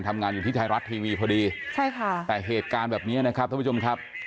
ทำงานอยู่ที่ไทยรัฐทีวีพอดีใช่ค่ะแต่เหตุการณ์แบบนี้นะครับท่านผู้ชมครับ